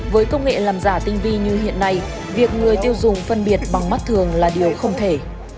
với công nghệ làm giả tinh vi như hiện nay việc người tiêu dùng phân biệt bằng mắt thường là điều không thể